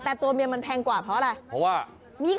แต่ตัวเมียมันแพงกว่าเพราะอะไร